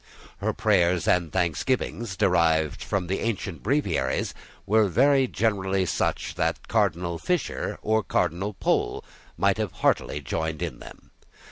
Her prayers and thanksgivings, derived from the ancient Breviaries, are very generally such that Cardinal Fisher or Cardinal Pole might have heartily joined in them.